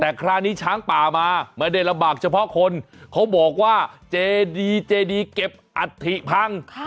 แต่คราวนี้ช้างป่ามาไม่ได้ลำบากเฉพาะคนเขาบอกว่าเจดีเจดีเก็บอัฐิพัง